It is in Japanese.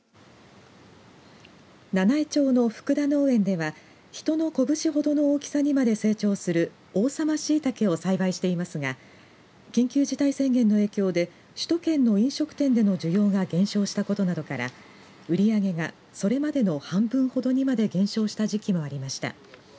七飯町の福田農園では人のこぶしほどの大きさにまで成長する王様しいたけを栽培していますが緊急事態宣言の影響で首都圏の飲食店での需要が減少したことなどから売り上げがそれまでの半分ほどにまで減少した時期もありました。